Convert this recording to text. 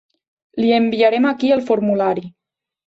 Li enviarem aquí el formulari.